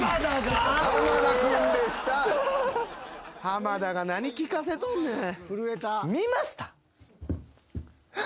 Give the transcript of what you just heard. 濱田が何聞かせとんねん。